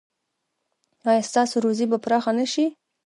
ایا ستاسو روزي به پراخه نه شي؟